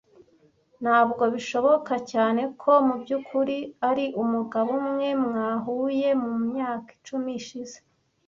Ntabwo bishoboka cyane ko mubyukuri ari umugabo umwe mwahuye mumyaka icumi ishize.